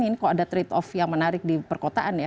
ini kok ada trade off yang menarik di perkotaan ya